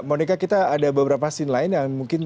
monika kita ada beberapa scene lain yang mungkin